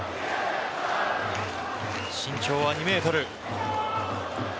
身長は２ｍ。